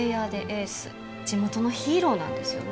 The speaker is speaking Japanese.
地元のヒーローなんですよね。